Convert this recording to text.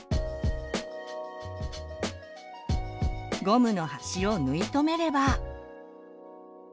ゴムの端を縫い留めれば。